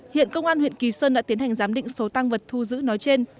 hiện công an huyện kỳ sơn đã tiến hành giám định số tăng vật thu giữ nói trên